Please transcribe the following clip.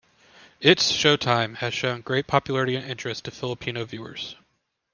"It's Showtime" has shown great popularity and interest to Filipino viewers.